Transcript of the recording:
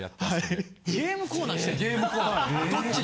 ゲームコーナーしてんの！？